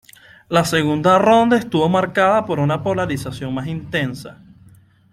La segunda ronda estuvo marcada por una polarización más intensa.